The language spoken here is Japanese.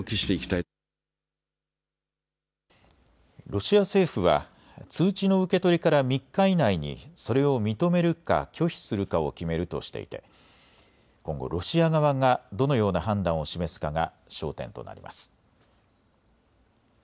ロシア政府は通知の受け取りから３日以内にそれを認めるか拒否するかを決めるとしていて今後、ロシア側がどのような判断を示すかが焦点となります。